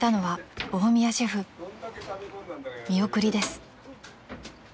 ［見送りです］